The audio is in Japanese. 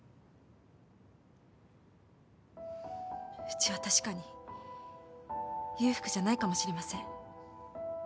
うちは確かに裕福じゃないかもしれません。